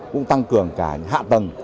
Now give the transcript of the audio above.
cũng tăng cường cả hạ tầng